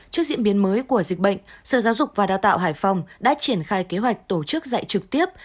trước diễn biến mới của dịch bệnh sở giáo dục và đào tạo hải phòng đã triển khai kế hoạch tổ chức dạy trực tiếp